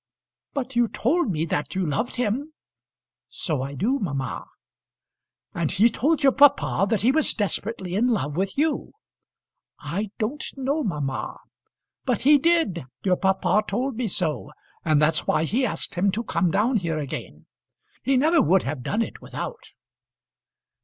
"But you told me that you loved him." "So I do, mamma." "And he told your papa that he was desperately in love with you." "I don't know, mamma." "But he did; your papa told me so, and that's why he asked him to come down here again. He never would have done it without."